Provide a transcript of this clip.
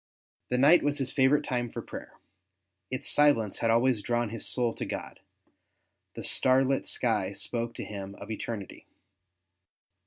The night was his favourite time for prayer ; its silence had always drawni his soul to God; the starlit sky spoke to him of eternity.